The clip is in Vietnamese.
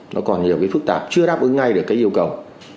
nó còn nhiều phức tạp chưa đáp ứng ngay được yêu cầu